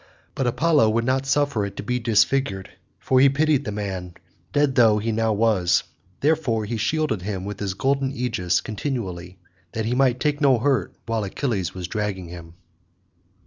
But Apollo would not suffer it to be disfigured, for he pitied the man, dead though he now was; therefore he shielded him with his golden aegis continually, that he might take no hurt while Achilles was dragging him.